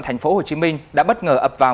thành phố hồ chí minh đã bất ngờ ập vào